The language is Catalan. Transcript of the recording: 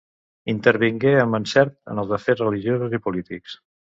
Intervingué amb encert en els afers religiosos i polítics.